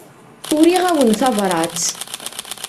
Uriɣ-awen tabrat.